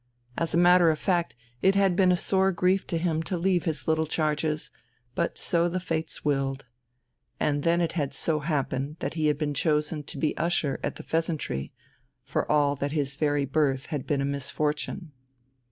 As a matter of fact, it had been a sore grief to him to leave his little charges, but so the fates willed. And then it had so happened that he had been chosen to be usher at the "Pheasantry," for all that his very birth had been a misfortune.